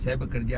saya bekerja buat